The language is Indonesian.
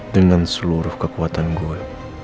dengan seluruh kekuatan gue